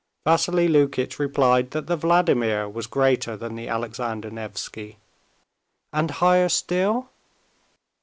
Vassily Lukitch replied that the Vladimir was greater than the Alexander Nevsky. "And higher still?"